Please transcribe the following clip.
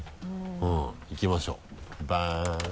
うん。いきましょうバン。